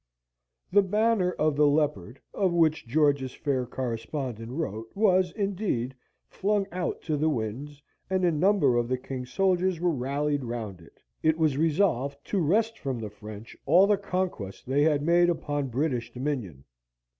"The banner of the Leopard," of which George's fair correspondent wrote, was, indeed, flung out to the winds, and a number of the king's soldiers were rallied round it. It was resolved to wrest from the French all the conquests they had made upon British dominion.